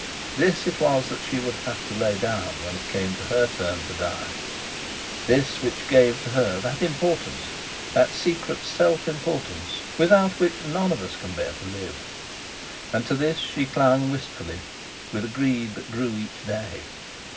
This it was that she would have to lay down when it came to her turn to die; this which gave to her that importance, that secret self importance, without which none of us can bear to live; and to this she clung wistfully, with a greed that grew each day!